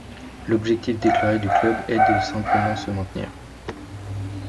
L'objectif déclaré du club est de simplement se maintenir.